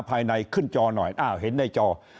ภายในขึ้นจอหน่อยอ้าวเห็นในจอ